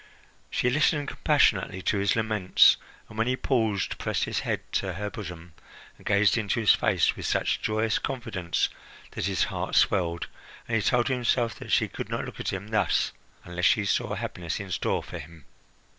She listened compassionately to his laments, and when he paused pressed his head to her bosom and gazed into his face with such joyous confidence that his heart swelled, and he told himself that she could not look at him thus unless she saw happiness in store for him.